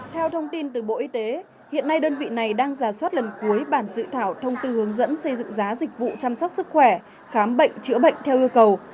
theo thông tin từ bộ y tế hiện nay đơn vị này đang giả soát lần cuối bản dự thảo thông tư hướng dẫn xây dựng giá dịch vụ chăm sóc sức khỏe khám bệnh chữa bệnh theo yêu cầu